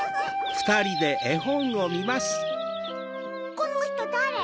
このひとだれ？